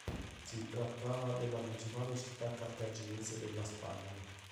Si trattava della principale città cartaginese della Spagna.